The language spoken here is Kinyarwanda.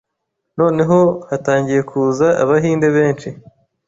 noneho hatangiye kuza Abahinde benshi